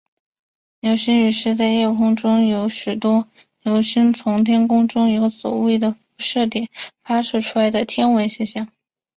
流星雨是在夜空中有许多的流星从天空中一个所谓的辐射点发射出来的天文现象。